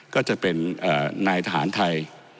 ก็จะเป็นนายทหารไทย